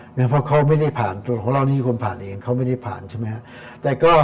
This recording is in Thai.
เพราะเขาไม่ได้ผ่านตัวของเรานี่คือคนผ่านเองเขาไม่ได้ผ่านใช่ไหมครับ